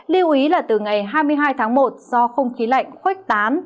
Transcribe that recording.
lưu ý là từ ngày hai mươi hai tháng một do không khí lạnh khoách tán